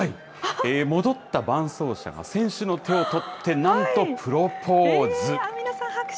戻った伴走者が、選手の手を取って、なんとプロポーズ。